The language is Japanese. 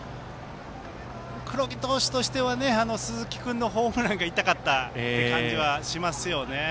黒木投手としては鈴木君のホームランが痛かったという感じはしますよね。